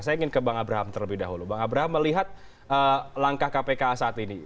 saya ingin ke bang abraham terlebih dahulu bang abraham melihat langkah kpk saat ini